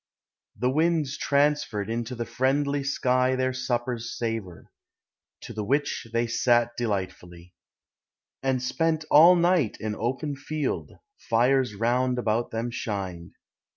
The winds transferred into the friendly sky Their supper's savor; to the which they sat de lightfully, And spent all night in open held; fires round about them shined.